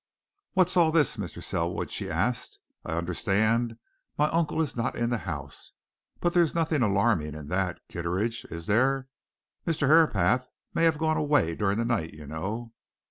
"What's all this, Mr. Selwood?" she asked. "I understand my uncle is not in the house. But there's nothing alarming in that, Kitteridge, is there? Mr. Herapath may have gone away during the night, you know."